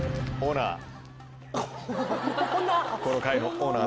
オーナー？